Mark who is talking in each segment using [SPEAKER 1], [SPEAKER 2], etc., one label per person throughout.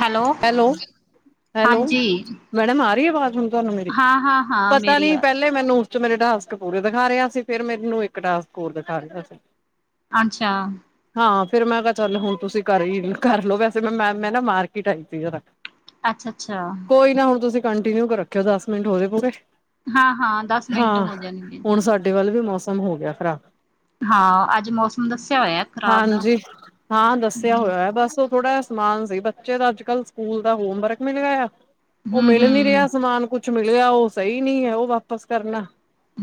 [SPEAKER 1] Hello
[SPEAKER 2] hello hello,
[SPEAKER 1] ਹਾਂਜੀ
[SPEAKER 2] madam ਆ ਰਹੀ ਆਵਾਜ਼ ਹੁ ਤੁਹਾਨੂੰ ਮੇਰੀ
[SPEAKER 1] ਹਾਂ ਹਾਂ ਹਾਂ
[SPEAKER 2] ਪਤਾ
[SPEAKER 1] ਮੇਰੀ
[SPEAKER 2] ਨੀ
[SPEAKER 1] ਆ
[SPEAKER 2] ਪਹਿਲੇ ਮੈਨੂੰ, ਮੇਰੇ ਡਾਸਕ ਪੂਰੇ ਦਿਖਾ ਰਿਹਾ ਸੀ, ਫਿਰ ਮੈਨੂੰ ਇੱਕ ਡਾਸਕ ਹੋਰ ਦਿਖਾ ਰਿਹਾ ਸੀ।
[SPEAKER 1] ਅੱਛਾ,
[SPEAKER 2] ਹਾਂ ਫੇਰ ਮੈਂ ਕਿਹਾ ਚੱਲ ਹੁਣ ਤੁਸੀਂ ਕਰ ਕਰ ਲਓ, ਵੈਸੇ ਮੈਂ-ਮੈਂ-ਮੈਂ ਨਾ ਮਾਰਕੀਟਾਈ ਸੀ।
[SPEAKER 1] ਅੱਛਾ-ਅੱਛਾ,
[SPEAKER 2] ਕੋਈ ਨਾ ਹੁਣ ਤੁਸੀਂ ਕੰਟੀਨਿਊ ਰੱਖਿਓ, ਦਸ ਮਿੰਟ ਹੋਦੇ ਪਏ
[SPEAKER 1] ਹਾਂ ਹਾਂ ਦਸ ਮਿੰਟ
[SPEAKER 2] ਹਾਂ
[SPEAKER 1] ਹੋ ਜਾਣਗੇ
[SPEAKER 2] ਹੁਣ ਸਾਡੇ ਵੱਲ ਵੀ ਮੌਸਮ- ਮਸਮ ਹੋ ਗਿਆ ਖ਼ਰਾਕ
[SPEAKER 1] ਹਾਂ ਅੱਜ ਮੌਸਮ ਦੱਸਿਆ ਹੋਇਆ ਖ਼ਰਾਬ ਦਾ
[SPEAKER 2] ਹਾਂਜੀ ਹਾਂ ਦੱਸਿਆ ਹੋਇਆ ਹੈ, ਬਸ ਉਹ ਥੋੜਾ ਸਮਾਨ ਸੀ ਬੱਚੇ ਦਾ ਅੱਜ-ਕੱਲ੍ਹ ਸਕੂਲ ਦਾ ਹੋਮ ਵਰਕ ਮਿਲ ਗਿਆ ਉਹ
[SPEAKER 1] ਹੂੰ
[SPEAKER 2] ਮਿਲ ਨੀ
[SPEAKER 1] ਹੂੰ
[SPEAKER 2] ਰਿਹਾ ਸਮਾਨ ਕੁਛ ਕੁਛ ਮਿਲਿਆ ਉਹ ਸਹੀ ਨੀ ਹੈ, ਉਹ ਵਾਪਿਸ ਕਰਨਾ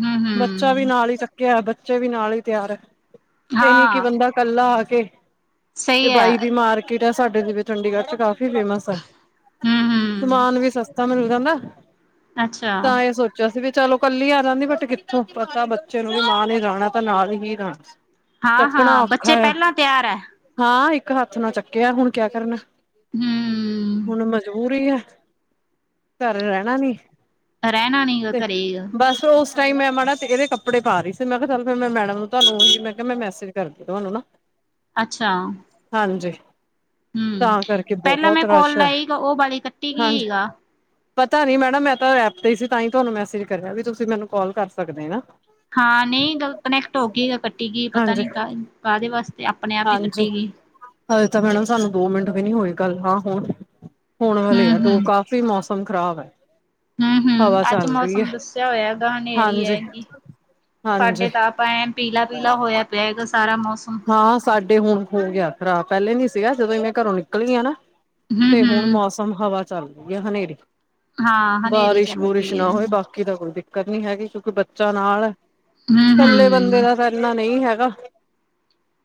[SPEAKER 1] ਹੂੰ
[SPEAKER 2] ਬੱਚਾ ਵੀ
[SPEAKER 1] ਹੂੰ
[SPEAKER 2] ਨਾਲ ਹੀ ਚੱਕਿਆ। ਬੱਚੇ ਵੀ ਨਾਲ ਹੀ ਤਿਆਰ ਹੈ, ਇਹ ਨੀ ਕਿ
[SPEAKER 1] ਹਾਂ
[SPEAKER 2] ਬੰਦਾ ਇਕੱਲਾ ਆ ਕੇ ਤੇ
[SPEAKER 1] ਸਹੀ ਹੈ
[SPEAKER 2] ਬਾਈ ਦੀ ਮਾਰਕੀਟ ਹੈ, ਸਾਡੇ ਜਿਵੇਂ ਚੰਡੀਗੜ੍ਹ ਚ ਕਾਫੀ ਫੇਮਸ ਆ
[SPEAKER 1] ਹੂੰ ਹੂੰ
[SPEAKER 2] ਸਮਾਨ ਵੀ ਸਸਤਾ ਮਿਲ ਜਾਂਦਾ।
[SPEAKER 1] ਅੱਛਾ
[SPEAKER 2] ਤਾਂ ਇਹ ਸੋਚਿਆ ਸੀ ਵੀ, ਚਲੋ ਕੱਲੀ,
[SPEAKER 1] ਹਾਂ ਹਾਂ
[SPEAKER 2] ਚੱਕਣਾ ਔਖਾ,
[SPEAKER 1] ਬੱਚੇ
[SPEAKER 2] ਆ
[SPEAKER 1] ਪਹਿਲਾਂ ਤਿਆਰ ਹੈ
[SPEAKER 2] ਹਾਂ ਇੱਕ ਹੱਥ ਨਾ ਚੱਕਿਆ, ਹੁਣ ਕਿਆ ਕਰਨਾ
[SPEAKER 1] ਹੂੰ
[SPEAKER 2] ਘਰ ਰਹਿਣਾ ਨੀ?
[SPEAKER 1] ਰਹਿਣਾ ਨੀ
[SPEAKER 2] ਤੇ
[SPEAKER 1] ਘਰੇ।
[SPEAKER 2] ਬਸ ਉਸ ਮੈਂ ਇਹਦੇ ਕੱਪੜੇ ਪਾ ਰਹੀ ਸੀ, ਮੈਂ ਕਿਹਾ ਚੱਲ ਫਿਰ ਮੈਂ ਮੈਡਮ ਨੂੰ ਤੁਹਾਨੂੰ ਮੈਂ ਕਿਹਾ ਮੈਂ ਮੈਸੇਜ
[SPEAKER 1] ਅੱਛਾ,
[SPEAKER 2] ਹਾਂਜੀ
[SPEAKER 1] ਹੂੰ,
[SPEAKER 2] ਤਾਂ ਕਰਕੇ
[SPEAKER 1] ਪਹਿਲਾਂ
[SPEAKER 2] ਬਹੁਤ
[SPEAKER 1] ਮੈਂ ਕੋਲ
[SPEAKER 2] ਰਸ਼ ਹੈ
[SPEAKER 1] ਲਾਈ ਸੀਗਾ, ਉਹ ਵਾਲੀ ਕੱਟੀ
[SPEAKER 2] ਹਾਂਜੀ
[SPEAKER 1] ਸੀਗਾ।
[SPEAKER 2] ਪਤਾ ਨੀ ਮੈਡਮ ਮੈਂ ਤਾਂ ਐਪ ਤੇ ਸੀ, ਤਾਂ ਹੀ ਤੁਹਾਨੂੰ ਮੈਸੇਜ ਕਰਿਆ ਵੀ ਤੁਸੀਂ ਮੈਨੂੰ ਕਾਲ ਕਰ ਸਕਦੇ ਨਾ।
[SPEAKER 1] ਹਾਂ ਨਹੀਂ ਗੱਲ ਕਨੈਕਟ ਹੋ ਗਈ, ਕੱਟੀ ਗਈ ਪਤਾ
[SPEAKER 2] ਹਾਂਜੀ
[SPEAKER 1] ਨੀ ਕਾਹ ਕਾਹਦੇ ਵਾਸਤੇ ਆਪਣੇ ਆਪ ਹੀ
[SPEAKER 2] ਹਾਂਜੀ
[SPEAKER 1] ਕੱਟੀ ਗਈ। [unintelligible]
[SPEAKER 2] ਹਜੇ ਤਾਂ ਮੈਡਮ ਸਾਨੂੰ ਦੋ ਮਿੰਟ ਵੀ ਨੀ ਹੋਏ, ਗੱਲ ਹਾਂ ਹੁਣ ਹੁਣ ਹੇ
[SPEAKER 1] ਹੂੰ
[SPEAKER 2] ਆ ਦੋ ਕਾਫ਼ੀ ਮੌਸਮ ਮੌਸਮ ਖ਼ਰਾਬ ਹੈ।
[SPEAKER 1] ਹੂੰ-ਹੂੰ,
[SPEAKER 2] ਹਵਾ
[SPEAKER 1] ਅੱਜ
[SPEAKER 2] ਚੱਲ ਰਹੀ ਹੈ
[SPEAKER 1] ਮੌਸਮ ਦੱਸਿਆ ਹੋਇਆ ਹੈਗਾ, ਹਨੇਰੀ
[SPEAKER 2] ਹਾਂਜੀ
[SPEAKER 1] ਹੈਗੀ।
[SPEAKER 2] ਹਾਂਜੀ
[SPEAKER 1] ਸਾਡੇ ਤਾਂ ਆਪ ਐ ਪੀਲਾ-ਪੀਲਾ ਹੋਇਆ ਪਿਆ ਹੈਗਾ, ਸਾਰਾ ਮੌਸਮ
[SPEAKER 2] ਹਾਂ ਸਾਡੇ ਹੁਣ ਹੋ ਗਿਆ, ਖਰਾਬ ਪਹਿਲੇ ਨੀ ਸੀਗਾ ਜਦੋਂ ਇਹੇ ਘਰੋਂ ਨਿਕਲੀਆਂ ਨਾ।
[SPEAKER 1] ਹੂੰ
[SPEAKER 2] ਤੇ ਹੁਣ
[SPEAKER 1] ਹੂੰ
[SPEAKER 2] ਮੌਸਮ ਹਵਾ ਚੱਲ ਰਹੀ ਹੈ ਹਨੇਰੀ,
[SPEAKER 1] ਹਾਂ ਹਨੇਰੀ ਚੱਲ
[SPEAKER 2] ਬਾਰਿਸ਼-ਬਾਰਿਸ਼
[SPEAKER 1] ਪਈ
[SPEAKER 2] ਨਾ
[SPEAKER 1] ਹੈ
[SPEAKER 2] ਹੋਏ
[SPEAKER 1] ਹੂੰ
[SPEAKER 2] ਬਾਕੀ ਦਾ ਕੋਈ ਕਰਨੀ ਹੈਗੀ, ਕਿਉਂਕਿ ਬੱਚਾ ਨਾਲ ਕੱਲੇ
[SPEAKER 1] ਹੂੰ
[SPEAKER 2] ਬੰਦੇ ਦਾ ਤਾਂ ਇਨਾ ਨਹੀਂ ਹੈਗਾ।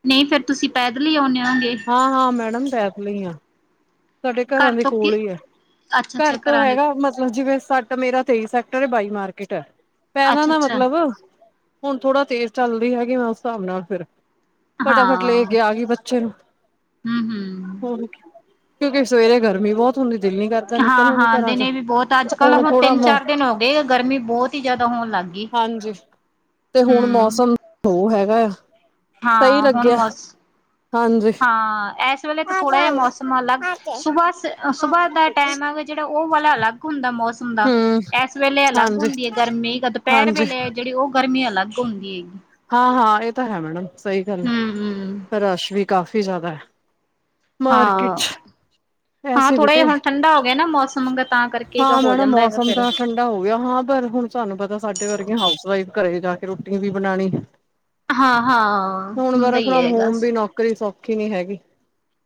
[SPEAKER 1] ਨਹੀਂ ਫੇਰ ਤੁਸੀਂ ਪੈਦਲ ਈ?
[SPEAKER 2] ਹਾਂ, ਸਾਡੇ ਘਰਾਂ
[SPEAKER 1] ਘਰ
[SPEAKER 2] ਦੇ
[SPEAKER 1] ਤੋਂ
[SPEAKER 2] ਕੋਲ
[SPEAKER 1] ਕਿ
[SPEAKER 2] ਹੀ ਹੈ
[SPEAKER 1] ਅੱਛਾ ਅੱਛਾ
[SPEAKER 2] ਘਰ ਤੋਂ
[SPEAKER 1] ਘਰਾਂ ਦੇ
[SPEAKER 2] ਹੈਗਾ ਮਤਲਬ ਜਿਵੇਂ ਸੱਟ ਮੇਰਾ ਤੇਈ
[SPEAKER 1] ਅੱਛਾ ਅੱਛਾ
[SPEAKER 2] ਹੁਣ ਥੋੜਾ ਤੇਜ਼ ਚੱਲਦੀ ਹੈਗੀ, ਮੈਂ ਉਸ ਹਿਸਾਬ ਨਾਲ ਫਿਰ ਫਟਾਫਟ ਲੈ
[SPEAKER 1] ਹਾਂ
[SPEAKER 2] ਕੇ ਆ ਗਈ ਬੱਚੇ ਨੂੰ
[SPEAKER 1] ਹੂੰ ਹੂੰ
[SPEAKER 2] ਹਣ ਕਿਉਂਕਿ ਸਵੇਰੇ ਗਰਮੀ ਬਹੁਤ ਹੁੰਦੀ। ਦਿਲ ਨੀ ਕਰਦਾ ਨਿਕਲਣ ਨੂੰ
[SPEAKER 1] ਹਾਂ-ਹਾਂ,
[SPEAKER 2] ਘਰਾਂ ਚੋਂ
[SPEAKER 1] ਦਿਨੇ ਵੀ ਬਹੁਤ
[SPEAKER 2] ਹੁਣ ਥੋੜਾ ਮ
[SPEAKER 1] ਗਈ।
[SPEAKER 2] ਹਾਂਜੀ, ਤੇ ਹੁਣ
[SPEAKER 1] ਹੂੰ,
[SPEAKER 2] ਮੌਸਮ ਉਹ ਹੈਗਾ ਆ।
[SPEAKER 1] ਹਾਂ ਹੁਣ ਮਸ
[SPEAKER 2] ਹਾਜੀ,
[SPEAKER 1] ਹਾਂ, ਅਲੱਗ ਹੁੰਦਾ, ਹੁੰਦਾ
[SPEAKER 2] ਹਮ
[SPEAKER 1] ਇਸ ਵੇਲੇ ਅਲੱਗ
[SPEAKER 2] ਹਾਂਜੀ
[SPEAKER 1] ਹੁੰਦੀ ਹੈ, ਗਰਮੀ ਦੁਪਹਿਰ
[SPEAKER 2] ਹਾਂਜੀ
[SPEAKER 1] ਵੇਲੇ ਜਿਹੜੀ ਉਹ ਗਰਮੀ ਅਲੱਗ ਹੁੰਦੀ ਹੈਗੀ ਐ।
[SPEAKER 2] ਹਾਂ-ਹਾਂ ਇਹ ਤਾਂ ਹੈ ਮੈਡਮ ਸਹੀ ਗੱਲ
[SPEAKER 1] ਹੂੰ-ਹੂੰ।
[SPEAKER 2] ਹੈ ਰਸ਼ ਵੀ ਕਾਫ਼ੀ ਜ਼ਿਆਦਾ ਹੈ। ਮਾਰਕਿਟ
[SPEAKER 1] ਹਾਂ,
[SPEAKER 2] ਚ
[SPEAKER 1] ਹਾਂ
[SPEAKER 2] ਐਸੇ
[SPEAKER 1] ਥੋੜ੍ਹਾ ਜਿਹਾ
[SPEAKER 2] ਬੇਟੇ
[SPEAKER 1] ਹੁਣ ਠੰਡਾ ਹੋ ਗਿਆ ਨਾ ਮੌਸਮ ਤਾਂ ਕਰਕੇ
[SPEAKER 2] ਹਾਂ
[SPEAKER 1] ਹੋ
[SPEAKER 2] ਮੈ ਨਾ
[SPEAKER 1] ਜਾਂਦਾ ਹੈਗਾ
[SPEAKER 2] ਮੌਸਮ
[SPEAKER 1] ਫਿਰ।
[SPEAKER 2] ਤਾਂ ਠੰਡਾ ਹੋ ਗਿਆ ਹਾਂ ਪਰ ਹੁਣ ਸਾਨੂੰ ਪਤਾ ਸਾਡੇ ਵਰਗੀਆਂ ਹਾਊਸ ਵਈਫ ਘਰੇ ਜਾ ਕੇ ਰੋਟੀ ਵੀ ਬਣਾਉਣੀ।
[SPEAKER 1] ਹਾਂ-ਹਾਂ,
[SPEAKER 2] ਹੁਣ
[SPEAKER 1] ਹੁੰਦਾ
[SPEAKER 2] ਬਾਰ
[SPEAKER 1] ਹੀ
[SPEAKER 2] ਫਰੋਮ
[SPEAKER 1] ਹੈਗਾ।
[SPEAKER 2] ਹੋਮ ਵੀ ਨੌਕਰੀ ਸੌਖੀ ਨੀ ਹੈਗੀ।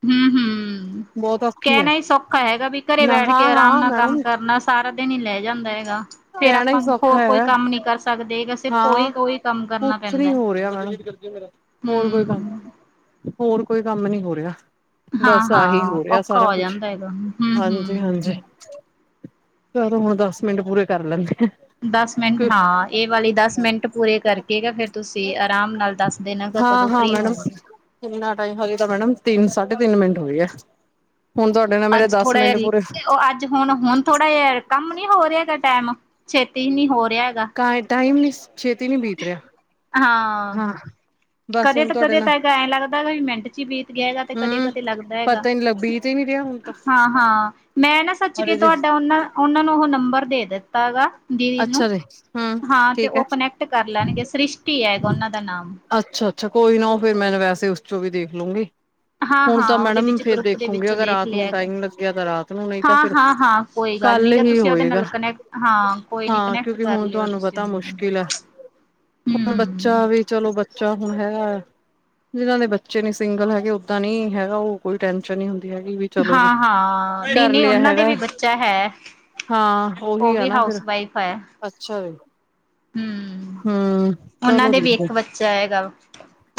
[SPEAKER 1] ਹੂੰ-ਹੂੰ,
[SPEAKER 2] ਬਹੁਤ ਔਖੀ ਹੈ
[SPEAKER 1] ਕਹਿਣਾ ਹੀ ਸੌਖਾ ਹੈਗਾ ਵੀ ਘਰੇ
[SPEAKER 2] ਨਾ
[SPEAKER 1] ਬੈਠ ਕੇ ਆਰਾਮ
[SPEAKER 2] ਹਾਂ-ਹਾਂ
[SPEAKER 1] ਨਾਲ ਕੰਮ
[SPEAKER 2] ਮੈਡਮ
[SPEAKER 1] ਕਰਨਾ ਸਾਰਾ ਦਿਨ ਹੀ ਲੈ ਜਾਂਦਾ ਹੈਗਾ ਫੇਰ
[SPEAKER 2] ਕਹਿਣਾ ਹੀ
[SPEAKER 1] ਆਪਾਂ
[SPEAKER 2] ਸੌਖਾ
[SPEAKER 1] ਹੋਰ ਕੋਈ
[SPEAKER 2] ਹੈ
[SPEAKER 1] ਕੰਮ ਨੀ ਕਰ ਸਕ ਸਕਦੇ ਕਿ ਸੇ ਕੋਈ
[SPEAKER 2] ਹਾਂ
[SPEAKER 1] ਕੋਈ ਕੰਮ ਕਰਨਾ
[SPEAKER 2] ਕੁਛ
[SPEAKER 1] ਪੈਂਦਾ
[SPEAKER 2] ਨੀ
[SPEAKER 1] ਹੈ
[SPEAKER 2] ਹੋ ਰਿਹਾ ਮੈਡਮ ਹੋਰ ਕੋਈ ਕੰਮ
[SPEAKER 1] ਹਮ [unintelligible]
[SPEAKER 2] ਹੋਰ ਕੋਈ ਕੰਮ ਨੀ ਹੋ ਰਿਹਾ। ਬਸ ਆਹੀ
[SPEAKER 1] ਹਾਂ-ਹਾਂ
[SPEAKER 2] ਹੋ ਰਿਹਾ
[SPEAKER 1] ਔਖਾ
[SPEAKER 2] ਸਾਰਾ
[SPEAKER 1] ਹੋ
[SPEAKER 2] ਕੁਛ
[SPEAKER 1] ਜਾਂਦਾ ਹੈਗਾ
[SPEAKER 2] ਹਾਂਜੀ-ਹਾਂਜੀ
[SPEAKER 1] ਹੂੰ-ਹੂੰ।
[SPEAKER 2] ਚਦੋ ਹੁਣ ਦਸ ਮਿੰਟ ਪੂਰੇ ਕਰ ਲੈਂਦੇ
[SPEAKER 1] ਦਸ ਮਿੰਟ
[SPEAKER 2] ਆ।
[SPEAKER 1] ਹਾਂ ਇਹ ਵਾਲੀ ਦਸ ਮਿੰਟ ਪੂਰੇ ਕਰਕੇ ਗ ਫੇਰ ਤੁਸੀਂ ਆਰਾਮ ਨਾਲ ਦੱਸ ਦੇਨ ਗ ਕਦੋਂ ਫਰੀ ਹੋਵਗੇ
[SPEAKER 2] ਇੰਨਾ ਟਾਈਮ ਹੋ ਤਾਂ ਮੈਡਮ ਤਿੰਨ ਸਾਢੇ ਤਿੰਨ ਮਿੰਟ ਹੋਗੇ ਗਿਆ
[SPEAKER 1] ਅੱਜ ਥੋੜਾ ਜਿਹਾ ਅੱਜ ਹੁਣ ਹੁਣ ਥੋੜਾ ਜਿਹਾ ਕੰਮ ਨੀ ਹੋ ਰਿਹਾ ਹੈਗਾ ਟਾਈਮ ਛੇਤੀ ਨੀ ਹੋਰ
[SPEAKER 2] ਕ ਟਾਈਮ ਨੀਸ ਛੇਤੀ ਨਹੀਂੀ ਬੀਤ ਰਿਹਾ
[SPEAKER 1] ਹਾਂ।
[SPEAKER 2] ਬਸ
[SPEAKER 1] ਕਦੇ
[SPEAKER 2] ਹੁਣ
[SPEAKER 1] ਤਾਂ,
[SPEAKER 2] ਤੁਹਾਡੇ
[SPEAKER 1] ਕਦੇ
[SPEAKER 2] ਨਾਲ
[SPEAKER 1] ਤਾਂ ਐਂ ਲੱਗਦਾ ਵੀ ਮਿੰਟ ਚ ਹੀ ਬੀਤ ਗਿਆ ਹੈਗਾ ਤੇ
[SPEAKER 2] ਹਮ
[SPEAKER 1] ਕਦੇ-ਕਦੇ ਲੱਗਦਾ ਹੈਗਾ
[SPEAKER 2] ਪਤਾ ਹੀ ਨੀ ਲੱਗ ਬੀਤ ਹੀ ਨੀ ਰਿਹਾ ਹੁਣ ਤਾਂ
[SPEAKER 1] ਹਾਂ-ਹਾਂ। ਮੈਂ ਨਾ ਸੱਚ ਕੇ
[SPEAKER 2] ਅਰੇ ਜੀ
[SPEAKER 1] ਤੁਹਾਡਾ ਉਹਨਾਂ-ਉਹਨਾਂ ਨੂੰ ਉਹ ਨੰਬਰ ਦੇ ਦਿੱਤਾ ਗਾ ਦੀਦੀ ਨੂੰ।
[SPEAKER 2] ਅੱਛਾ ਜੀ ਹਮ
[SPEAKER 1] ਹਾਂ ਤੇ
[SPEAKER 2] ਠੀਕ ਹੈ
[SPEAKER 1] ਉਹ ਕਨੈਕਟ ਕਰ ਲੈਣਗੇ। ਸ੍ਰਿਸ਼ਟੀ ਹੈਗਾ ਉਹਨਾਂ ਦਾ ਨਾਮ
[SPEAKER 2] ਅੱਛਾ। ਕੋਈ ਨਾ ਉਹ ਫੇਿਰ ਮੈਂ ਤਾਂ ਵੈਸੇ ਉਸ ਚੋਂ ਵੀ ਦੇਖ ਲੂੰਗੀ
[SPEAKER 1] ਹਾਂ
[SPEAKER 2] ਹੁਣ ਤਾਂ
[SPEAKER 1] ਹਾਂ ਉਹਦੇ
[SPEAKER 2] ਮੈਡਮ,
[SPEAKER 1] ਵਿੱਚ
[SPEAKER 2] ਫੇਰ
[SPEAKER 1] ਗਰੁੱਪ ਦੇ
[SPEAKER 2] ਦੇਖੋਗੇਂ
[SPEAKER 1] ਵਿੱਚੋਂ
[SPEAKER 2] ਅਗਰ
[SPEAKER 1] ਦੇਖ
[SPEAKER 2] ਰਾਤ
[SPEAKER 1] ਲਿਆ
[SPEAKER 2] ਨੂੰ
[SPEAKER 1] ਹੈਗਾ
[SPEAKER 2] ਟਾਈਮ ਲੱਗਿਆ ਤਾਂ ਰਾਤ ਨੂੰ। ਨਹੀਂ ਤਾਂ
[SPEAKER 1] ਹਾਂ
[SPEAKER 2] ਫਿਰ
[SPEAKER 1] ਹਾਂ ਹਾਂ ਕੋਈ ਗੱਲ
[SPEAKER 2] ਕੱਲ
[SPEAKER 1] ਨੀ ਗ
[SPEAKER 2] ਹੀ
[SPEAKER 1] ਤੁਸੀਂ ਉਹਦੇ ਨਾਲ
[SPEAKER 2] ਹੋਏਗਾ
[SPEAKER 1] ਕਨੈਕਟ। ਹਾਂ ਕੋਈ ਨੀ
[SPEAKER 2] ਹਾਂ
[SPEAKER 1] ਕਨੈਕਟ
[SPEAKER 2] ਕਿਉਕਿ
[SPEAKER 1] ਕਰ
[SPEAKER 2] ਹੁਣ
[SPEAKER 1] ਲਿਓ
[SPEAKER 2] ਤੁਹਾਨੂੰ
[SPEAKER 1] ਤੁਸੀਂ
[SPEAKER 2] ਪਤਾ
[SPEAKER 1] ਉਹਦੇ ਨਾਲ
[SPEAKER 2] ਮੁਸ਼ਕਿਲ ਆ ਹੁਣ ਬੱਚਾ
[SPEAKER 1] ਹਮ
[SPEAKER 2] ਵੀ ਚਲੋ ਬੱਚਾ ਹੁਣ ਹੈ ਜਿਹਨਾਂ ਦੇ ਬੱਚੇ ਨੀ ਸਿੰਗਲ ਹੈਗੇ ਓਦਾਂ ਨੀ ਹੈਗਾ ਉਹ ਕੋਈ ਟੈਸ਼ਨ ਨਹੀਂੀ ਹੈਗੀ ਵੀ ਚਲੋ ਜੀ।
[SPEAKER 1] ਹਾਂ ਹਾਂ ਨਹੀਂ
[SPEAKER 2] ਕਰ
[SPEAKER 1] ਨਹੀਂ
[SPEAKER 2] ਲਿਆ
[SPEAKER 1] ਉਹਨਾਂ ਦੇ
[SPEAKER 2] ਹੈਗਾ
[SPEAKER 1] ਵੀ ਬੱਚਾ ਹੈ
[SPEAKER 2] ਹਾਂ ਉਹੀ
[SPEAKER 1] ਉਹ
[SPEAKER 2] ਆ
[SPEAKER 1] ਵੀ
[SPEAKER 2] ਨਾ। ਫਿਰ
[SPEAKER 1] ਹਾਊਸ ਵਾਈਫ ਹੈ
[SPEAKER 2] ਅੱਛਾ ਵੀ
[SPEAKER 1] ਹਮ
[SPEAKER 2] ਹਮ
[SPEAKER 1] ਉਹਨਾਂ
[SPEAKER 2] ਚਲੋ
[SPEAKER 1] ਦੇ ਵੀ
[SPEAKER 2] ਠੀਕ ਹੇ
[SPEAKER 1] ਇੱਕ ਬੱਚਾ ਹੈਗਾ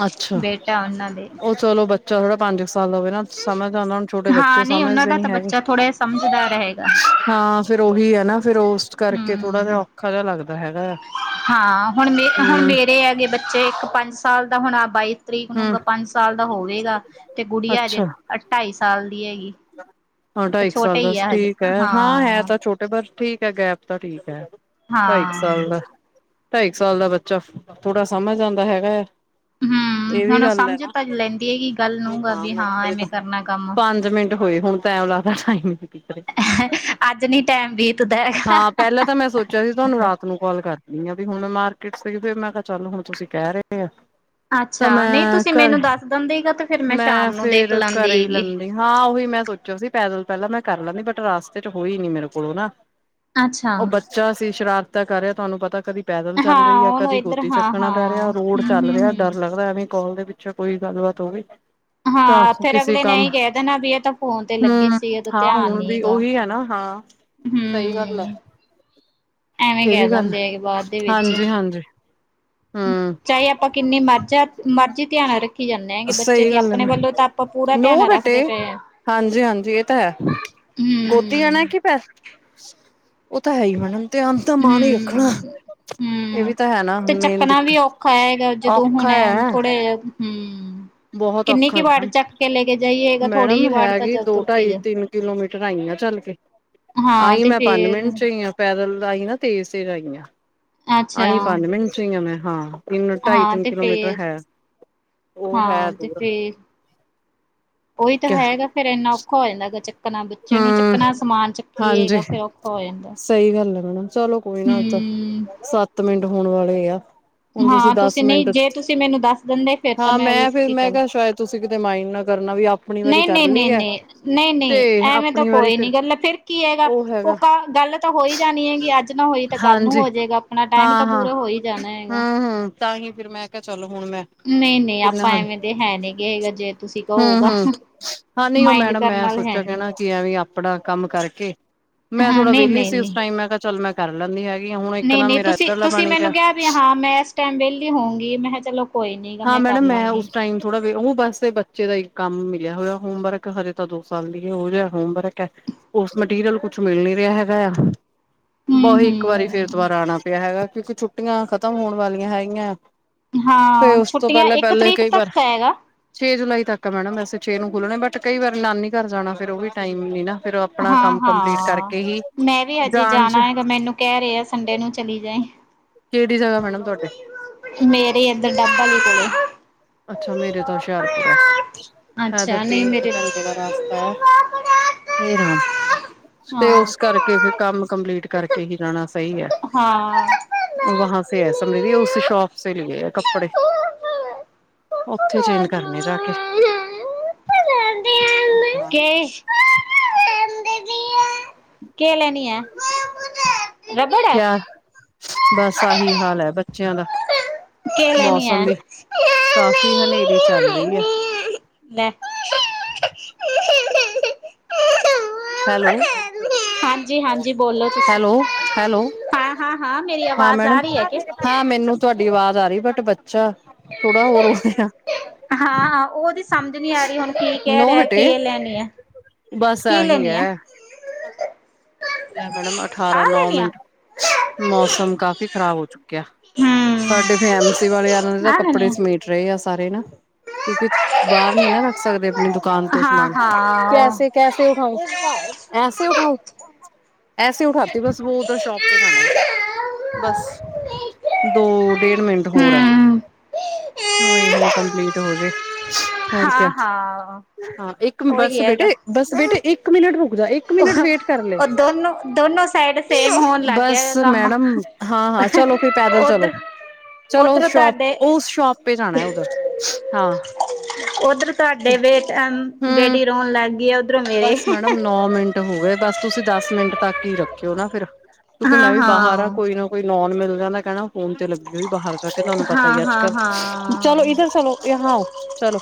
[SPEAKER 2] ਅੱਛਾ।
[SPEAKER 1] ਬੇਟਾ ਉਹਨਾਂ ਦੇ
[SPEAKER 2] ਉਹ ਚਲੋ ਬੱਚਾ ਥੋੜਾ ਪੰਜ ਗੱਲ ਹੋਵੇ ਨਾ। ਸਮਝ ਆਨਾ, ਛੋਟੇ ਬੱਚੇ
[SPEAKER 1] ਹਾਂ ਨਹੀਂ ਉਹਨਾਂ
[SPEAKER 2] ਸਮਝਦੇ
[SPEAKER 1] ਦਾ
[SPEAKER 2] ਨੀ
[SPEAKER 1] ਤਾਂ
[SPEAKER 2] ਹੈਗੇ
[SPEAKER 1] ਬੱਚਾ ਥੋੜ੍ਹਾ ਸਮਝਦਾਰ ਹੈਗਾ
[SPEAKER 2] ਹਾਂ ਫੇਿਰ ਉਹੀ ਹੈ ਨਾ। ਫੇਿਰ ਉਸ ਕਰਕੇ ਥੋੜ੍ਹਾ
[SPEAKER 1] ਹਮ
[SPEAKER 2] ਜਿਹਾ ਔਖਾ ਜਿਹਾ ਲੱਗਦਾ ਹੈਗਾ ਆ
[SPEAKER 1] ਹਾਂ ਹੁਣ ਮੇ, ਹੁਣ
[SPEAKER 2] ਹੂੰ
[SPEAKER 1] ਮੇਰੇ ਹੈਗੇ ਬੱਚੇ। ਇੱਕ ਪੰਜ ਸਾਲ ਦਾ ਹੁਣ ਆ ਬਾਈ ਤਰੀਕ ਨੂੰ
[SPEAKER 2] ਹੂੰ
[SPEAKER 1] ਪੰਜ ਸਾਲ ਦਾ ਹੋਵੇਗਾ। ਤੇ ਗੁੜੀਆ ਹਜੇ ਢਾਈ ਸਾਲ ਦੀ ਹੈਗੀ
[SPEAKER 2] ਹ
[SPEAKER 1] ਤੇ
[SPEAKER 2] ਢਾਈ, ਇਕੁ ਸਾਲ
[SPEAKER 1] ਛੋਟੇ
[SPEAKER 2] ਦਾ
[SPEAKER 1] ਹੀ ਆ ਹਜੇ
[SPEAKER 2] ਠੀਕ ਹੈ। ਹਾਂ ਹੈ ਤਾਂ ਛੋਟੇ ਪਰ ਠੀਕ ਹੈ। ਗੈਪ ਤਾਂ ਠੀਕ ਹੈ ਢਾਈ ਕੁ ਸਾਲ ਦਾ
[SPEAKER 1] ਹਾਂ
[SPEAKER 2] ਢਾਈ ਸਾਲ ਦਾ ਬੱਚਾ ਥੋੜਾ ਸਮਝ ਆਉਂਦਾ ਹੈਗਾ ਹੈ
[SPEAKER 1] ਹਮ
[SPEAKER 2] ਇਹ ਵੀ
[SPEAKER 1] ਹੁਣ ਉਹ
[SPEAKER 2] ਗੱਲ ਹੈ।
[SPEAKER 1] ਸਮਝ ਤਾਂ ਲੈਂਦੀ ਹੈਗੀ ਗੱਲ ਨੂੰਗਾ ਵੀ ਹਾਂ ਐਵੇਂ ਕਰਨਾ ਕੰਮ
[SPEAKER 2] ਪੰਜ ਮਿੰਟ ਹੋਏ ਹੁਣ ਟੈਮ ਲੱਗਦਾ
[SPEAKER 1] ਅੱਜ ਨੀ ਟਾਈਮ ਬੀਤਦਾ ਹੈਗਾ
[SPEAKER 2] ਹਾਂ ਪਹਿਲਾਂ ਤਾਂ ਮੈਂ ਸੋਚਿਆ ਸੀ ਤੁਹਾਨੂੰ ਰਾਤ ਨੂੰ ਕਾਲ ਕਰ ਨ ਵੀ ਹੁਣ ਮਾਰਕੀਟ ਸੇ ਫਿਰ ਮੈਂ ਕਿਹਾ ਚੱਲ ਹੁਣ ਤੁਸੀਂ ਕਹਿ ਰਹੇ ਆ ਤਾਂ
[SPEAKER 1] ਅੱਛਾ ਨਹੀਂ
[SPEAKER 2] ਮੈਂ
[SPEAKER 1] ਤੁਸੀਂ
[SPEAKER 2] ਘਰੇ।
[SPEAKER 1] ਮੈਨੂੰ ਦੱਸ ਦਿੰਦੇ ਗਾ ਤੇ ਫਿਰ
[SPEAKER 2] ਮੈਂ
[SPEAKER 1] ਸ਼ਾਮ ਨੂੰ ਦੇਖ
[SPEAKER 2] ਫੇਰ ਘਰੇ
[SPEAKER 1] ਲਾਂਦੀ
[SPEAKER 2] ਹੀ
[SPEAKER 1] ਹੈਗੀ
[SPEAKER 2] ਲੈਂਦੀ। ਹਾਂ ਉਹੀ ਮੈਂ ਮੈਂ ਸੋਚਿਆ ਸੀ। ਪੈਦਲ ਪਹਿਲਾਂ ਮੈਂ ਕਰ ਲੈਂਦੀ ਬਟ ਰਸਤੇ ਚ ਹੋਈ ਨੀ ਮੇਰੇ ਕੋਲੋਂ ਨਾ
[SPEAKER 1] ਅੱਛਾ
[SPEAKER 2] ਉਹ ਬੱਚਾ ਸੀ ਸ਼ਰਾਰਤਾਾਂ ਕਰ ਰਿਹਾ ਤੁਹਾਨੂੰ ਪਤਾ ਕਦੀ ਪੈਦਲ ਚੱਲ ਰਹੀ ਹੈ।
[SPEAKER 1] ਹਾਂ ਉਹਨੂੰ
[SPEAKER 2] ਕਦੀ
[SPEAKER 1] ਇੱਧਰ
[SPEAKER 2] ਗੌਦੀ
[SPEAKER 1] ਹਾਂ
[SPEAKER 2] ਚੱਕਣਾ ਪੈ ਰਿਹਾ।
[SPEAKER 1] ਹਾਂ
[SPEAKER 2] ਰੋਡ
[SPEAKER 1] ਹਮ
[SPEAKER 2] ਚੱਲ
[SPEAKER 1] ਹਮ
[SPEAKER 2] ਰਿਹਾ ਡਰ
[SPEAKER 1] ਹਮ
[SPEAKER 2] ਲੱਗਦਾ ਐਵੇਂ ਕਾਲ ਦੇ ਪਿੱਛੋ ਕੋਈ ਗੱਲਬਾਤ ਹੋਵੇ। ਤਾਂ
[SPEAKER 1] ਹਾਂ ਫੇਰ
[SPEAKER 2] ਕਿਸੇ
[SPEAKER 1] ਅਗਲੇ ਨੇ
[SPEAKER 2] ਕੰਮ
[SPEAKER 1] ਇਹੀ ਕਹਿ ਦੇਣਾ ਵੀ ਇਹ ਤਾਂ ਫੋਨ ਤੇ ਲੱਗੀ
[SPEAKER 2] ਹਮ
[SPEAKER 1] ਸੀ ਇਹਦਾ
[SPEAKER 2] ਹਾਂ
[SPEAKER 1] ਧਿਆਨ
[SPEAKER 2] ਹੁਣ
[SPEAKER 1] ਨੀ
[SPEAKER 2] ਵੀ
[SPEAKER 1] ਹੈਗਾ
[SPEAKER 2] ਉਹੀ ਹੈ ਨਾ। ਹਾਂ ਸਹੀ ਗੱਲ ਹੈ
[SPEAKER 1] ਹਮ ਐਵੇਂ
[SPEAKER 2] ਇਹ
[SPEAKER 1] ਕਹਿ
[SPEAKER 2] ਵੀ ਗੱਲ।
[SPEAKER 1] ਦਿੰਦੇ ਆ ਕਿ ਬਾਅਦ ਦੇ ਵਿੱਚ
[SPEAKER 2] ਹਾਂਜੀ-ਹਾਂਜੀ ਹੂੰ,
[SPEAKER 1] ਚਾਹੇ ਆਪਾਂ ਕਿੰਨੀ ਮਜ਼ ਮਰਜੀੀ ਧਿਆਨ ਰੱਖ
[SPEAKER 2] ਸਹੀ ਗੱਲ ਹੈ।
[SPEAKER 1] ਪੂਰਾ
[SPEAKER 2] ਨੋ
[SPEAKER 1] ਧਿਆਨ
[SPEAKER 2] ਬੇਟੇ,
[SPEAKER 1] ਰੱਖਦੇ ਪਏ ਆ
[SPEAKER 2] ਹਾਂਜੀ-ਹਾਂਜੀ ਇਹ ਤਾਂ ਹੈ ਗੋਦੀ
[SPEAKER 1] ਹਮ
[SPEAKER 2] ਆਣਾ ਕਿ ਪੈਸ। ਉਹ ਤਾਂ ਹੈ ਹੀ ਹੋਣਾ ਧਿਆਨ ਤਾਂ ਮਾਂ ਨੇ ਹੀ ਰੱਖਣਾ
[SPEAKER 1] ਹਮ
[SPEAKER 2] ਇਹ
[SPEAKER 1] ਹਮ
[SPEAKER 2] ਵੀ ਤਾਂ ਹੈ ਨਾ
[SPEAKER 1] ਤੇ
[SPEAKER 2] ਮੇਨ
[SPEAKER 1] ਚੱਕਣਾ
[SPEAKER 2] ਦਿੱਕਤ।
[SPEAKER 1] ਵੀ ਔਖਾ ਹੈਗਾ ਜਦੋਂ ਹੁਣ
[SPEAKER 2] ਔਖਾ ਹੈ
[SPEAKER 1] ਥੋੜੇ ਹਮ
[SPEAKER 2] ਬਹੁਤ
[SPEAKER 1] ਕਿੰਨੀ
[SPEAKER 2] ਔਖਾ।
[SPEAKER 1] ਕੁ ਵਾਰ
[SPEAKER 2] ਮੈਡਮ
[SPEAKER 1] ਚੱਕ ਕੇ ਲੈ ਕੇ ਜਾਈਏਗਾ ਥੋੜ੍ਹੀ
[SPEAKER 2] ਮੈਡਮ
[SPEAKER 1] ਜਿਹੀ ਵਾਰ
[SPEAKER 2] ਹੈਗੀ।
[SPEAKER 1] ਤਾਂ
[SPEAKER 2] ਦੋ,
[SPEAKER 1] ਤੁਰ ਕੇ
[SPEAKER 2] ਢਾਈ,
[SPEAKER 1] ਜਾ
[SPEAKER 2] ਤਿੰਨ ਕਿਲੋਮੀਟਰ ਆਈ ਆ। ਚੱਲ ਕੇ
[SPEAKER 1] ਹਾਂ
[SPEAKER 2] ਆਈ
[SPEAKER 1] ਤੇ
[SPEAKER 2] ਮੈਂ ਪੰਜ
[SPEAKER 1] ਫੇਰ
[SPEAKER 2] ਮਿੰਟ ਚ ਹੀ ਆ ਪੈਦਲ ਆਈ ਨਾ ਤੇਜ਼-ਤੇਜ਼ ਆਈ ਆ।
[SPEAKER 1] ਅੱਛਾ
[SPEAKER 2] ਆਈ ਪੰਜ ਮਿੰਟ ਚਈ ਆ ਮੈਂ। ਹਾਂ ਤਿੰਨ ਢਾਈ,
[SPEAKER 1] ਹਾਂ
[SPEAKER 2] ਤਿੰਨ
[SPEAKER 1] ਤੇ
[SPEAKER 2] ਕਿਲੋਮੀਟਰ
[SPEAKER 1] ਫੇਰ
[SPEAKER 2] ਹੈ। ਉਹ ਹੈ
[SPEAKER 1] ਹਾਂ ਤੇ
[SPEAKER 2] ਦੂਰ
[SPEAKER 1] ਫੇਰ ਉਹੀ ਤਾਂ
[SPEAKER 2] ਕਿਆ
[SPEAKER 1] ਹੈਗਾ ਫੇਿਰ ਇੰਨਾ ਔਖਾ ਹੋ ਜਾਂਦਾ ਗਾ ਚੱਕਣਾ। ਬੱਚੇ ਨੂੰ
[SPEAKER 2] ਹੂੰ
[SPEAKER 1] ਚੱਕਣਾ ਸਮਾਨ
[SPEAKER 2] ਹਾਂਜੀ
[SPEAKER 1] ਚੱਕੀਏਗਾ। ਫੇਿਰ ਔਖਾ ਹੋ ਜਾਂਦਾ
[SPEAKER 2] [unintelligible] ਚਲੋ ਕੋਈ ਨਾ ਤਾਂ,
[SPEAKER 1] ਹੂੰ
[SPEAKER 2] ਸੱਤ ਮਿੰਟ ਹੋਣ ਵਾਲੇ ਆ ਹੁਣ ਤੁਸੀਂ
[SPEAKER 1] ਹਾਂ
[SPEAKER 2] ਦਸ
[SPEAKER 1] ਨਹੀਂ
[SPEAKER 2] ਮਿੰਟ।
[SPEAKER 1] ਜੇ ਤੁਸੀਂ ਮੈਨੂੰ ਦੱਸ ਦਿੰਦੇ ਫੇਰ ਤਾਂ
[SPEAKER 2] ਹਾਂ ਮੈਂ ਫੇਿਰ ਮੈਂ ਕਿਹਾ ਸ਼ਾਇਦ ਤੁਸੀਂ ਕਿਤੇ ਮਾਈਨ ਨਾਲ
[SPEAKER 1] ਨਹੀਂ-ਨਹੀਂ-ਨਹੀਂ-ਨਹੀਂ ਨਹੀਂ
[SPEAKER 2] ਤੇ
[SPEAKER 1] ਨਹੀਂ ਐਵੇਂ ਤਾਂ
[SPEAKER 2] ਆਪਣੀ ਵਾਰੀ
[SPEAKER 1] ਕੋਈ
[SPEAKER 2] ਫਿਰ
[SPEAKER 1] ਨੀ ਗੱਲ ਫੇਿਰ ਕੀ ਹੈਗਾ ਉਹ ਗੱਲ ਤਾਂ ਹੋਈ ਜਾਣੀ ਹੈਗੀ ਅੱਜ ਨਾ ਹੋਈ ਤਾਂ ਕੱਲ ਨੂੰ
[SPEAKER 2] ਹਾਂਜੀ
[SPEAKER 1] ਹੋ ਜਾਏਗਾ ਆਪਣਾ ਟਾਈਮ
[SPEAKER 2] ਹਾਂ
[SPEAKER 1] ਤਾਂ
[SPEAKER 2] ਹਾਂ
[SPEAKER 1] ਪੂਰਾ ਹੋਈ ਜਾਣਾ ਹੈਗਾ
[SPEAKER 2] ਹੂੰ ਹੂੰ ਤਾਂ ਹੀ ਫੇਿਰ ਮੈਂ ਕਿਹਾ ਚਲੋ ਹੁਣ ਮੈਂ
[SPEAKER 1] ਨਹੀਂ ਨਹੀਂ ਆਪਾਂ ਐਵੇਂ ਤੇ ਹੈ ਨੀ ਕਹੇਗਾ ਜੇ ਤੁਸੀਂ
[SPEAKER 2] ਹਮ ਹਮ
[SPEAKER 1] ਕਹੋਗਾ
[SPEAKER 2] ਹਾਂ ਨ ਉਹ
[SPEAKER 1] ਮਾਇੰਡ
[SPEAKER 2] ਮੈਡਮ
[SPEAKER 1] ਕਰਨ
[SPEAKER 2] ਮੈਂ
[SPEAKER 1] ਨਾਲ ਹੈ
[SPEAKER 2] ਸੋਚਿਆ
[SPEAKER 1] ਨੀ
[SPEAKER 2] ਕਹਿਣਾ ਕੀ ਐ ਵੀ ਆਪਣਾ ਕੰਮ ਕਰਕੇ ਮੈਂ
[SPEAKER 1] ਹਾਂ
[SPEAKER 2] ਥੋੜਾ
[SPEAKER 1] ਨਹੀਂ
[SPEAKER 2] ਵਿਹਲੀ
[SPEAKER 1] ਨਹੀਂ
[SPEAKER 2] ਸੀ ਉਸ
[SPEAKER 1] ਨਹੀਂ
[SPEAKER 2] ਟਾਈਮ ਮੈਂ ਕਿਹਾ ਚੱਲ ਮੈਂ ਕਰ ਲੈਂਦੀ ਹੈਗੀ ਆ ਹੁਣ ਇੱਕ
[SPEAKER 1] ਨਹੀਂ
[SPEAKER 2] ਨਾ
[SPEAKER 1] ਨਹੀਂ
[SPEAKER 2] ਮੇਰਾ
[SPEAKER 1] ਤੁਸੀਂ
[SPEAKER 2] ਇੱਧਰਲਾ
[SPEAKER 1] ਤੁਸੀਂ
[SPEAKER 2] ਬਣ ਗਿਆ
[SPEAKER 1] ਮੈਨੂੰ ਕਿਹਾ ਵੀ ਹਾਂ ਮੈਂ ਇਸ ਟਾਈਮ ਵਿਹਲੀ ਹੋਊਗੀ ਮੈਂ ਕਿਹਾ ਚਲੋ ਕੋਈ ਨੀ ਗਾ
[SPEAKER 2] ਹਾਂ
[SPEAKER 1] ਕਰ
[SPEAKER 2] ਮੈਡਮ ਮੈਂ ਉਸ
[SPEAKER 1] ਲਾਂਗੀ
[SPEAKER 2] ਟਾਈਮ ਥੋੜਾਉਹ ਬਸ ਬੱਚੇ ਦਾ ਇੱਕ ਕੰਮ ਵਧਿਆ ਹੋਇਆ ਹੋਮਵਰਕ ਹਜੇ ਤਾਂ ਦੋ ਸਾਲ ਦੀ ਉਹ ਜਿਹਾ ਹੋਮਵਰਕ ਹੈ ਉਸ ਮਟੀਰੀਅਲ ਕੁੱਛ ਮਿਲ ਨੀ ਰਿਹਾ ਹੈਗਾ
[SPEAKER 1] ਹਮ
[SPEAKER 2] ਬਹੁਹੀ ਇੱਕ ਵਾਰੀ ਫੇਰ
[SPEAKER 1] ਹਮ
[SPEAKER 2] ਦੁਬਾਰਾ ਆਉਣਾ ਪਿਆ ਹੈਗਾ ਕਿਉਂਕਿ ਛੁੱਟੀਆਂ ਖ਼ਤਮ ਹੋਣ ਵਾਲੀਆਂ ਹੈਗੀਆਂ ਫ
[SPEAKER 1] ਹਾਂ
[SPEAKER 2] ਉਸ ਤੋਂ
[SPEAKER 1] ਛੁੱਟੀਆਂ
[SPEAKER 2] ਪਹਿਲਾਂ
[SPEAKER 1] ਇੱਕ
[SPEAKER 2] ਪਹਿਲਲੇ
[SPEAKER 1] ਤਰੀਕ
[SPEAKER 2] ਕਈ
[SPEAKER 1] ਤੱਕ
[SPEAKER 2] ਵਾਰ
[SPEAKER 1] ਤਾਂ ਹੈਗਾ
[SPEAKER 2] ਛੇ ਜੁਲਾਈ ਤੱਕ ਮੈਡਮ ਵੈਸੇ ਛੇ ਨੂੰ ਖੁੱਲਣੇ ਬਟ ਕਈ ਵਾਰੀ ਨਾਨੀ ਘਰ ਜਾਣਾ ਫੇਰ ਉਹ ਵੀ ਟਾਈਮ ਨੀ ਨਾ ਫੇਰ ਆਪਣਾ
[SPEAKER 1] ਹਾਂ
[SPEAKER 2] ਕੰਮ ਕੰਪਲੀਟ
[SPEAKER 1] ਹਾਂ
[SPEAKER 2] ਕਰਕੇ ਹੀ
[SPEAKER 1] ਮੈਂ ਵੀ ਅਜੇ
[SPEAKER 2] ਜਾਣ ਚ
[SPEAKER 1] ਜਾਣਾ ਹੈਗਾ ਮੈਨੂੰ ਕਹਿ ਰਿਹਾ ਆ ਸੰਡੇ ਨੂੰ ਚਲੀ ਜਾਏ
[SPEAKER 2] ਕਿਹੜੀ ਜਗ੍ਹਾ ਮੈਡਮ ਤੁਹਾਡੇ
[SPEAKER 1] ਡੱਬਾ ਨਹੀਂ ਕੋਲੇ
[SPEAKER 2] ਅੱਛਾ ਮੇਰੇ ਤਾਂ ਹੁਸ਼ਿਆਰਪੁਰ ਹੈ ਹੈ ਤਾਂ
[SPEAKER 1] ਅੱਛਾ ਨਹੀਂ
[SPEAKER 2] ਤਿੰਨ ਕੁ
[SPEAKER 1] ਮੇਰੇ ਹ-
[SPEAKER 2] ਹਰਾ ਤੇ ਉਸ ਕਰਕੇ ਫਿਰ ਕੰਮ ਕੰਪਲੀਟ ਕਰਕੇ ਹੀ ਰਣਾ ਸਹੀ ਹੈਾਂ
[SPEAKER 1] ਹਾਂ।
[SPEAKER 2] ਹਉਸ ਸ਼ੋਪ ਲ ਕੱਪੜੇ ਉਓਥੇ ਚੇਂਜ ਕਰਨੇ ਜਾ ਕੇ ਹ-
[SPEAKER 1] ਕੇ ਕਿ ਲੈਣੀ ਹੈ ਰਬੜ।
[SPEAKER 2] ਕਿਆ ਬਸ ਆਹੀ ਹਾਲ ਹੈ ਬੱਚਿਆਂ ਦਾ
[SPEAKER 1] ਕਿ ਲੈਣੀ ਆ
[SPEAKER 2] ਮੌਸਮ ਵੀ
[SPEAKER 1] ਨਹੀਂ
[SPEAKER 2] ਕਾਫ਼ੀ ਹਨੇਰੀ ਚੱਲ ਰਹੀ ਹੈ
[SPEAKER 1] ਦੇ-
[SPEAKER 2] ਹੈਲੋ-
[SPEAKER 1] ਹਾਂਜੀ ਹਾਂਜੀ ਬੋਲੋ ਤੁਸੀਂ
[SPEAKER 2] ਹੈਲੋ- ਹੈਲੋ
[SPEAKER 1] ਹਾਂ ਹਾਂ ਹਾਂ ਮੇਰੀ
[SPEAKER 2] ਹਾਂ
[SPEAKER 1] ਆਵਾਜ਼
[SPEAKER 2] ਮੈਡਮ
[SPEAKER 1] ਆ ਰਹੀ ਹੈ ਕਿ
[SPEAKER 2] ਹਾਂ ਮੈਨੂੰ ਤੁਹਾਡੀ ਆਵਾਜ਼ ਆ ਰਹੀ ਬਟ ਬੱਚਾ ਥੋੜਾ ਹੋਰ ਹੋਆ
[SPEAKER 1] ਹਾਂ ਹਾਂ ਉਹਦੀ ਸਮਝ ਨਹੀ ਆ ਰਹੀ ਹੁਣ ਕੀ ਕਹਿ
[SPEAKER 2] ਨੋ
[SPEAKER 1] ਰਿਹਾ
[SPEAKER 2] ਬੇਟੇ
[SPEAKER 1] ਕੀ ਲੈਣੀ ਹੈ
[SPEAKER 2] ਬਸ
[SPEAKER 1] ਕੀ
[SPEAKER 2] ਆਗੀ
[SPEAKER 1] ਲੈਣੀ ਹੈ
[SPEAKER 2] ਹ ਮੈਡਮ
[SPEAKER 1] ਆ
[SPEAKER 2] ਅਠਾਰਾਂ ਨੌ
[SPEAKER 1] ਲੈਣੀ ਆ
[SPEAKER 2] ਮਿੰਟ ਮੌਸਮ ਕਾਫੀ ਖ਼ਰਾਬ ਹੋ ਚੁੱਕਿਆ।
[SPEAKER 1] ਹੂੰ
[SPEAKER 2] ਸਾਡੇ ਫੇ ਐਮ ਸੀ ਵਾਲੇਨਾਂ ਦੇ ਤਾਂ
[SPEAKER 1] ਆਹ ਲੈਣੇ
[SPEAKER 2] ਕੱਪੜੇ ਸਮੇਟ ਰਹੇ ਆ। ਸਾਰੇ ਨਾ ਕਿਉਂਕਿ ਬਾਹਰ ਨੀ
[SPEAKER 1] ਆ।
[SPEAKER 2] ਨਾ ਰੱਖ ਸਕਦੇ ਆਪਣੀ ਦੁਕਾਨ ਤੋਂ
[SPEAKER 1] ਹਾਂ
[SPEAKER 2] ਸਮਾਨ।
[SPEAKER 1] ਹਾਂ।
[SPEAKER 2] ਕੈਸੇ- ਕੈਸੇ ਉਠਾਊ ਐਸੇ
[SPEAKER 1] ਹੂੰ।
[SPEAKER 2] ਉਠਾਊ। ਐਸੇ ਉਠਾਤੀ ਬਸ ਵ ਉਧਰ ਸ਼ੋਪ ਪੇ ਜਾਣਾ ਹੈ। ਬਸ ਦੋ ਡੇਢ ਮਿੰਟ ਹੋਰ ਹੈ। ਹਈ ਹੁਣ ਕੰਪਲੀਟ ਹੋਜੇ। ਹੋਰ ਕਿਆ
[SPEAKER 1] ਹਾਂ ਹਾਂ
[SPEAKER 2] ਹਾਂ ਇੱਕ ਬੱਸ
[SPEAKER 1] ਉਹੀ
[SPEAKER 2] ਬੇਟੇ
[SPEAKER 1] ਹੈਗਾ।
[SPEAKER 2] ਬੱਸ ਬੇਟੇ ਇੱਕ ਮਿੰਟ ਰੁਕ। ਦਾ ਇੱਕ ਮਿੰਟ ਵੇਟ ਕਰ ਲਏ।
[SPEAKER 1] ਉਹ ਦੋਨੋ ਦੋਨੋ ਸਾਈਡ ਸੇਮ ਹੋਣ ਲੱਗ
[SPEAKER 2] ਬਸ
[SPEAKER 1] ਗਿਆ ਕੰਮ
[SPEAKER 2] ਮੈਡਮ ਹਾਂ ਹਾਂ ਚਲੋ ਫਿਰ ਪੈਦਲ ਚਲੋ।
[SPEAKER 1] ਉਧਰ
[SPEAKER 2] ਚਲੋ ਉਸ
[SPEAKER 1] ਉਧਰੋਂ
[SPEAKER 2] ਸ਼ੋਪ
[SPEAKER 1] ਤੁਹਾਡੇ
[SPEAKER 2] ਉਸ ਸ਼ੋਪ ਪੇ ਜਾਣਾ ਉਧਰ ਹਾਂ।
[SPEAKER 1] ਉੱਧਰ
[SPEAKER 2] ਤੇ
[SPEAKER 1] ਤੁਹਾਡੇ ਬੇ
[SPEAKER 2] ਹਮ
[SPEAKER 1] ਬੇਟੀ ਰੋਣ ਲੱਗ ਗਈ। ਉਧਰੋਂ ਮੇਰੇ
[SPEAKER 2] ਬਸ ਮੈਡਮ ਨੌ ਮਿੰਟ ਹੋਗੇ ਬਸ ਤੁਸੀਂ ਦਸ ਮਿੰਟ ਤੱਕ ਹੀ ਰੱਖਿਓ ਨਾ ਫਿਰ। ਕਿਉਂਕਿ ਮੈਂ
[SPEAKER 1] ਹਾਂ
[SPEAKER 2] ਵੀ ਬਾਹਰ ਆ
[SPEAKER 1] ਹਾਂ
[SPEAKER 2] ਕੋਈ ਨਾ ਕੋਈ ਨੋਨ ਮਿਲ ਜਾਂਦਾ ਕਹਿਣਾ। ਫੋਨ ਤੇ ਲੱਗੇ ਹੋਈ ਬਾਹਰ ਜਾ ਕੇ ਤੁਹਾਨੂੰ ਪਤਾ
[SPEAKER 1] ਹਾਂ
[SPEAKER 2] ਹੀ ਅੱਜ
[SPEAKER 1] ਹਾਂ
[SPEAKER 2] ਕਲ
[SPEAKER 1] ਹਾਂ
[SPEAKER 2] ਚਲੋ ਇਧਰ ਚਲੋ ਇਹਾਂ ਚਲੋ।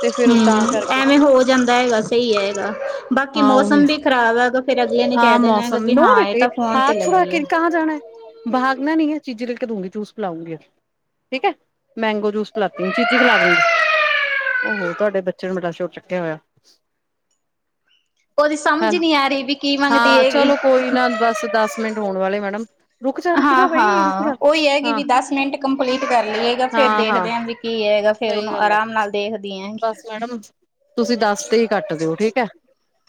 [SPEAKER 2] ਤੇ ਫਿਰ ਤਾਂ
[SPEAKER 1] ਹਮ
[SPEAKER 2] ਕਰਕੇ
[SPEAKER 1] ਐਵੇਂ ਹੋ ਜਾਂਦਾ ਹੈਗਾ ਸਹੀ ਹੈ ਹੈਗਾ।
[SPEAKER 2] [unintelligible] [unintelligible] [unintelligible] [unintelligible]
[SPEAKER 1] ਬਾਕੀ ਮੌਸਮ ਵੀ ਖ਼ਰਾਬ ਹੈਗਾ ਫੇਰ ਅਗਲੇ ਨੇ ਕਹਿ ਦੇਣਾ ਹੈਗਾ ਵੀ ਹਾਂ ਇਹ ਤਾਂ ਫੋਨ ਤੇ ਲੱਗੀ ਹੈ
[SPEAKER 2] ਠੀਕ ਹੈ ਮੈਂਗੋ ਜੂਸ ਪਿਲਾਤੀ ਚੀਜੀ ਖਿਲਾ ਦਵੇਗੀ। ਉਹ ਤੁਹਾਡੇ ਬੱਚੇ ਨੇ ਬੜਾ ਸ਼ੋਰ ਚੁੱਕਿਆ ਹੋਇਆ।
[SPEAKER 1] ਉਹਦੀ
[SPEAKER 2] ਹੈ
[SPEAKER 1] ਸਮਝ ਨਹੀਂ ਆ ਰਹੀ ਵੀ ਕੀ ਮੰਗਦੀ
[SPEAKER 2] ਹਾਂ
[SPEAKER 1] ਹੈਗੀ
[SPEAKER 2] ਚਲੋ ਕੋਈ ਨਾ ਬਸ ਦਸ ਮਿੰਟ ਹੋਣ ਵਾਲੇ ਮੈ। ਰੁਕ ਜਾ ਰੁਕਦਾ
[SPEAKER 1] ਹਾਂ
[SPEAKER 2] ਬਈ ਰੁਕਦਾ
[SPEAKER 1] ਹਾਂ ਉਹੀ ਹੈਗੀ
[SPEAKER 2] ਹਾਂ
[SPEAKER 1] ਵੀ ਦਸ ਮਿੰਟ ਕੰਪਲੀਟ ਕਰ ਲਈਏਗਾ ਫੇਰ
[SPEAKER 2] ਹਾਂ ਹਾਂ।
[SPEAKER 1] ਦੇਖਦੇ ਵੀ ਕੀ ਹੈਗਾ ਫੇਰ
[SPEAKER 2] ਸਹੀ
[SPEAKER 1] ਉਹਨੂੰ
[SPEAKER 2] ਗੱਲ ਹੈ
[SPEAKER 1] ਆਰਾਮ ਨਾਲ ਦੇਖਦੀ ਹੈਗੀ
[SPEAKER 2] ਬਸ ਮੈਡਮ। ਤੁਸੀਂ ਦੱਸ ਤੇ ਹੀ ਕੱਟ ਦਿਓ ਠੀਕ ਹੈ।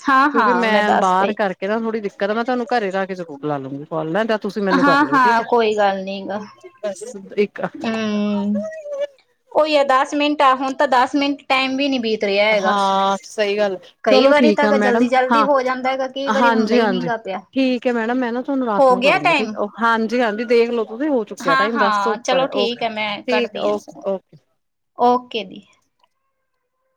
[SPEAKER 1] ਹਾਂ
[SPEAKER 2] ਕਿਉਂਕਿ
[SPEAKER 1] ਹਾਂ
[SPEAKER 2] ਮੈਂ
[SPEAKER 1] ਦੱਸ
[SPEAKER 2] ਬਾਹਰ
[SPEAKER 1] ਤੇ
[SPEAKER 2] ਕਰਕੇ ਨਾ ਥੋੜ੍ਹੀ ਦਿੱਕਤ ਆ ਮੈਂ ਤੁਹਾਨੂੰ ਘਰੇ ਜਾ ਕੇ ਜ਼ਰੂਰ ਲਾ ਲੂੰਗੀ ਕੋਲ। ਤੁਸੀਂ ਮੈਨੂੰ ਕਰ
[SPEAKER 1] ਹਾਂ
[SPEAKER 2] ਲਿਉ ਠੀਕ
[SPEAKER 1] ਹਾਂ ਕੋਈ ਗੱਲ ਨੀ ਗਾ
[SPEAKER 2] ਹੈ ਇੱਕ
[SPEAKER 1] ਕੋਈ ਯ ਦਸ ਮਿੰਟ ਆ ਹੁਣ ਤਾਂ ਦਸ ਮਿੰਟ ਟਾਈਮ ਵੀ ਨੀ ਬੀਤ। ਰਿਹਾ ਹੈਗਾ।
[SPEAKER 2] ਹਾਂ ਸਹੀ ਗੱਲ
[SPEAKER 1] ਕਈ
[SPEAKER 2] ਚਲੋ
[SPEAKER 1] ਵਾਰੀ
[SPEAKER 2] ਠੀਕ
[SPEAKER 1] ਤਾਂ
[SPEAKER 2] ਆ ਮੈਡਮ
[SPEAKER 1] ਜਲਦੀ ਜਲਦੀ
[SPEAKER 2] ਹਾਂ
[SPEAKER 1] ਹੋ ਜਾਂਦਾ ਹੈਗਾ ਕਈ ਵਾਰੀ ਹੁੰਦਾ
[SPEAKER 2] ਹਾਂਜੀ
[SPEAKER 1] ਹੀ ਨਹੀਂ
[SPEAKER 2] ਹਾਂਜੀ।
[SPEAKER 1] ਗਾ ਪਿਆ।
[SPEAKER 2] ਠੀਕ ਹੈ ਮੈਡਮ ਮੈਂ ਨਾ ਤੁਹਾਨੂੰ ਰਾਤ
[SPEAKER 1] ਹੋ
[SPEAKER 2] ਨੂੰ
[SPEAKER 1] ਗਿਆ
[SPEAKER 2] ਕਰੂੰਗੀ ਠੀਕ
[SPEAKER 1] ਟਾਈਮ
[SPEAKER 2] ਹਾਂਜੀ ਹਾਂਜੀ ਦੇਖਲੋ ਤੁਸੀਂ ਹੋ ਚੁੱਕਿਆ
[SPEAKER 1] ਹਾਂ
[SPEAKER 2] ਟਾਈਮ
[SPEAKER 1] ਹਾਂ
[SPEAKER 2] ਦੱਸੋ।
[SPEAKER 1] ਚਲੋ ਠੀਕ ਹੈ ਮੈਂ ਕਰਦੀ ਹਾਂ ਫੋਨ ਓਕੇ ਦੀ।